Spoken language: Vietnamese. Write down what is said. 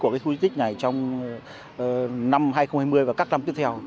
khu di tích này trong năm hai nghìn hai mươi và các năm tiếp theo